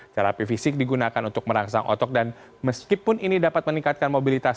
terapi fisik digunakan untuk merangsang otot dan meskipun ini dapat meningkatkan mobilitas